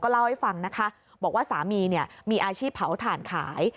เล่าให้ฟังนะคะบอกว่าสามีมีอาชีพเผาถ่านขาย